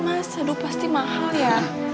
mas aduh pasti mahal ya